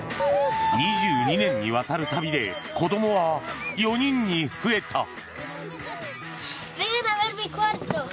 ２２年にわたる旅で子どもは４人に増えた。